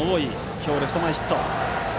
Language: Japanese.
今日、レフト前ヒット。